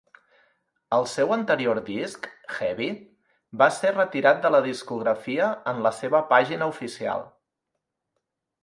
El seu anterior disc, "Heavy", va ser retirat de la discografia en la seva pàgina oficial.